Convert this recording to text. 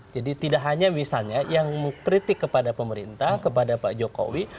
jadi tidak hanya misalnya yang kritik kepada pemerintah kepada pak jokowi